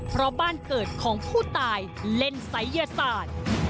เพราะบ้านเกิดของผู้ตายเล่นศัยยศาสตร์